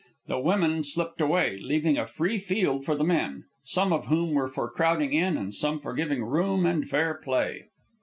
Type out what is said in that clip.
The women slipped away, leaving a free field for the men, some of whom were for crowding in, and some for giving room and fair play.